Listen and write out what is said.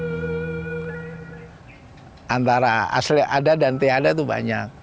nah antara asli ada dan tiada itu banyak